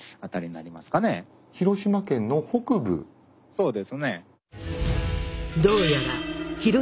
そうですね。